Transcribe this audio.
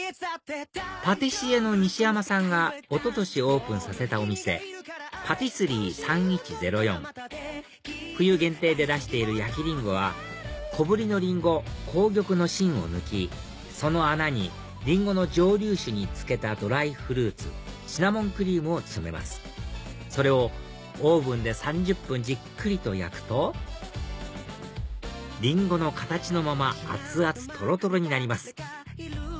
パティシエの西山さんが一昨年オープンさせたお店ＰＡＴＩＳＳＥＲＩＥ３１０４冬限定で出している焼ＲＩＮＧＯは小ぶりのリンゴ紅玉の芯を抜きその穴にリンゴの蒸留酒に漬けたドライフルーツシナモンクリームを詰めますそれをオーブンで３０分じっくりと焼くとリンゴの形のまま熱々とろとろになります